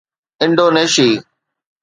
انڊونيشي